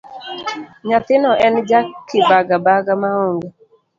Nyathino en ja kibaga baga maonge.